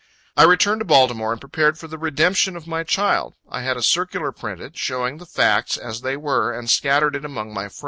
I returned to Baltimore, and prepared for the redemption of my child. I had a circular printed, showing the facts as they were, and scattered it among my friends.